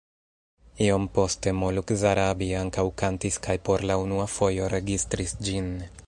Iom poste Moluk Zarabi ankaŭ kantis kaj por la unua fojo registris ĝin.